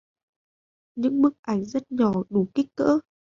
Những bức ảnh rất nhỏ đủ kích cỡ